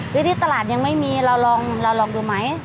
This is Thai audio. ที่ตลาดยังไม่มีเราลองดูไหม